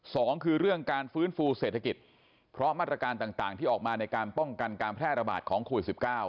สองคือเรื่องการฟื้นฟูเศรษฐกิจเพราะมาตรการต่างที่ออกมาในการป้องกันการแพร่ระบาดของโควิด๑๙